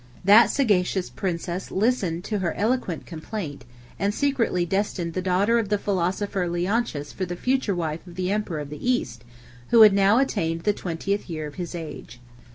That sagacious princess listened to her eloquent complaint; and secretly destined the daughter of the philosopher Leontius for the future wife of the emperor of the East, who had now attained the twentieth year of his age.